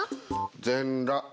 全裸！